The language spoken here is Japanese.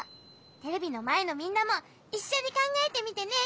テレビのまえのみんなもいっしょにかんがえてみてね！